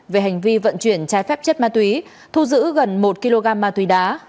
về hành vi vận chuyển trái phép chất ma túy thu giữ gần một kg ma túy đá